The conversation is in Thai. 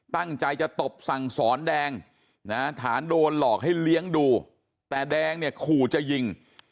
ตั้งใจจะตบสั่งสอนแดงนะฐานโดนหลอกให้เลี้ยงดูแต่แดงเนี่ยขู่จะยิง